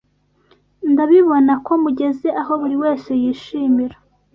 Ndabibona ko mugeze aho buri wese yishimira